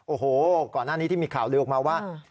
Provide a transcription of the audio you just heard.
โอ้โหก่อนหน้านี้ที่มีข่าวลือออกมาว่า